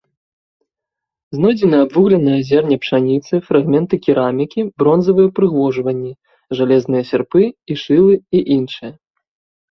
Знойдзены абвугленае зерне пшаніцы, фрагменты керамікі, бронзавыя ўпрыгожанні, жалезныя сярпы і шылы і іншае.